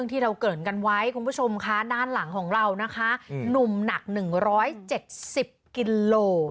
ที่เราเกิดกันไว้คุณผู้ชมค่ะด้านหลังของเรานะคะหนุ่มหนักหนึ่งร้อยเจ็ดสิบกิโล